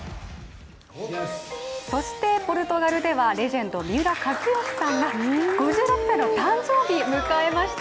そしてポルトガルではレジェンド・三浦知良さんが５６歳の誕生日を迎えました。